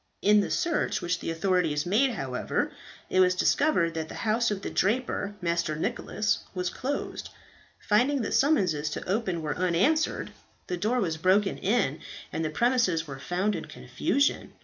In the search which the authorities made, however, it was discovered that the house of the draper, Master Nicholas, was closed. Finding that summonses to open were unanswered, the door was broken in, and the premises were found in confusion.